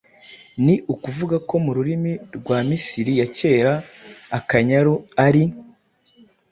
Ni ukuvuga ko mu rurimi rwa Misiri ya kera Akanyaru ari “